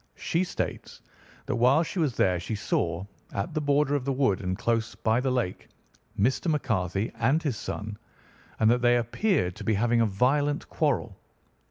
She states that while she was there she saw, at the border of the wood and close by the lake, Mr. McCarthy and his son, and that they appeared to be having a violent quarrel.